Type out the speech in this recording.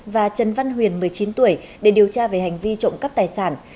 và trần văn huyền một mươi chín tuổi để điều tra về hành vi trộm cắp tài sản